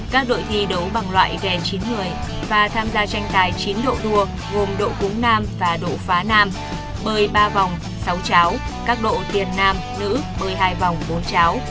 các đội thi đấu bằng loại ghè chín người và tham gia tranh tài chín độ đua gồm độ cúng nam và độ phá nam bơi ba vòng sáu cháo các độ tiền nam nữ bơi vòng bốn cháo